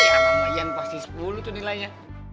ya namanya pasti sepuluh tuh nilainya